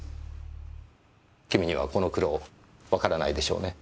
君にはこの苦労わからないでしょうね。